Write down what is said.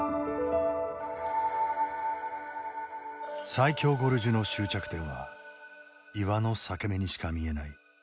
最狭ゴルジュの終着点は岩の裂け目にしか見えない。